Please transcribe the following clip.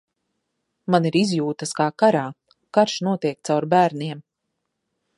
Man ir izjūtas kā karā. Karš notiek caur bērniem.